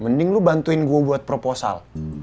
mending lu bantuin gue buat proposal